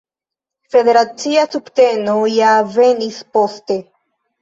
Federacia subteno ja venis poste.